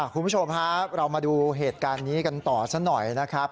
คุณผู้ชมครับเรามาดูเหตุการณ์นี้กันต่อสักหน่อยนะครับ